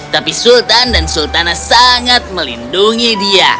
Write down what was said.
tapi sultan dan sultana sangat melindungi dia